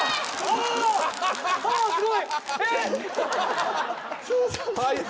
音すごい。